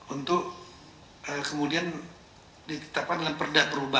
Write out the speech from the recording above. untuk kemudian ditetapkan dalam perda perubahan